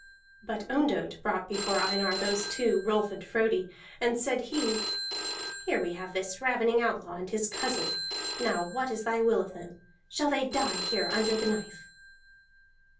But Ondott brought before Einar those two, Rolf and Frodi, and said he: "Here we have that ravening outlaw and his cousin; now what is thy will of them? Shall they die here under the knife?"